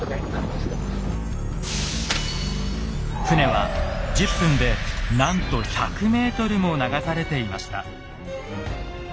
船は１０分でなんと１００ｍも流されていました。